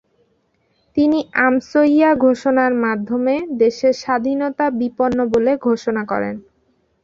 তিনি আমসইয়া ঘোষণার মাধ্যমে দেশের স্বাধীনতা বিপন্ন বলে ঘোষণা করেন।